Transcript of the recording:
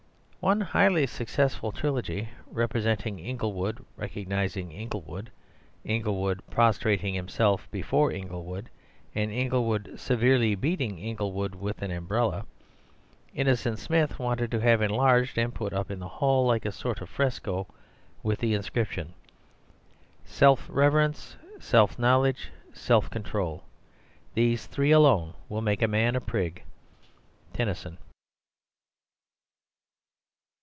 One highly successful trilogy—representing Inglewood recognizing Inglewood, Inglewood prostrating himself before Inglewood, and Inglewood severely beating Inglewood with an umbrella— Innocent Smith wanted to have enlarged and put up in the hall, like a sort of fresco, with the inscription,— "Self reverence, self knowledge, self control— These three alone will make a man a prig." TENNYSON.